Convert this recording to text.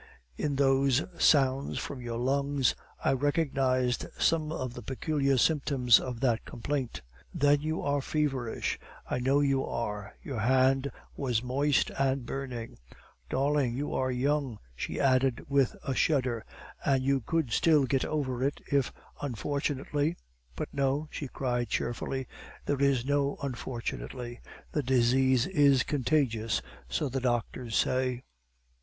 In those sounds from your lungs I recognized some of the peculiar symptoms of that complaint. Then you are feverish; I know you are; your hand was moist and burning Darling, you are young," she added with a shudder, "and you could still get over it if unfortunately But, no," she cried cheerfully, "there is no 'unfortunately,' the disease is contagious, so the doctors say."